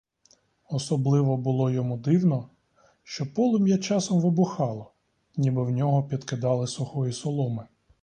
Особливо було йому дивно, що полум'я часом вибухало, ніби в нього підкидали сухої соломи.